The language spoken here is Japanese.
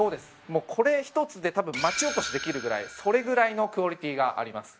もうこれ１つで多分町おこしできるぐらいそれぐらいのクオリティーがあります。